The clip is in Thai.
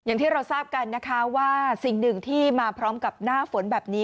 อย่างที่เราทราบกันนะคะว่าสิ่งหนึ่งที่มาพร้อมกับหน้าฝนแบบนี้